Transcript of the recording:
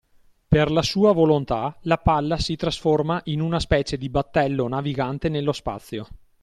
Per la sua volontà la palla si trasforma in una specie di battello navigante nello spazio